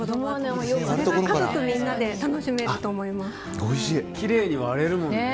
家族みんなで楽しめると思います。